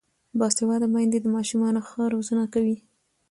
باسواده میندې د ماشومانو ښه روزنه کوي.